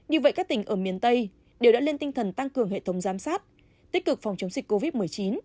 như vậy các tỉnh ở miền tây đều đã lên tinh thần tăng cường hệ thống giám sát tích cực phòng chống dịch covid một mươi chín